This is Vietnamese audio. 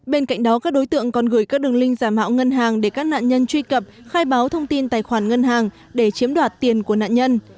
bên cạnh đó các đối tượng còn gửi các đường linh giả mạo ngân hàng để các nạn nhân truy cập khai báo thông tin tài khoản ngân hàng để chiếm đoạt tiền của nạn nhân